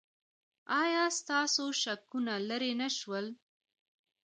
ایا ستاسو شکونه لرې نه شول؟